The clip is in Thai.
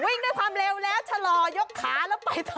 วิ่งด้วยความเร็วแล้วชะลอยกขาแล้วไปต่อ